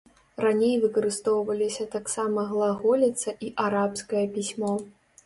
Раней выкарыстоўваліся таксама глаголіца і арабскае пісьмо.